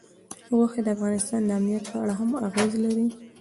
غوښې د افغانستان د امنیت په اړه هم اغېز لري.